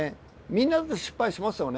みんなだって失敗しますよね。